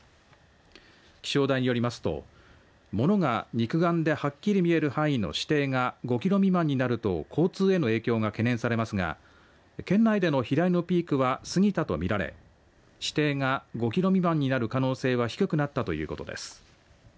気象台によりますと物が肉眼ではっきり見える範囲の視程が５キロ未満になると交通への影響が懸念されますが県内での飛来のピークは過ぎたと見られ視程が５キロ未満になる可能性は低くなったということです。